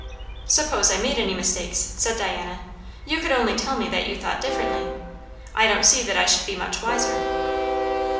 "Suppose I made any mistakes," said Diana, "you could only tell me that you thought differently. I don't see that I should be much wiser."